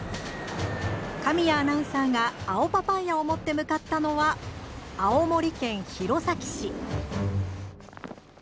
神谷アナウンサーが青パパイアを持って向かったのは青森県弘前市。